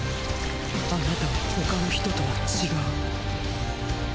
あなたは他の人とは違う。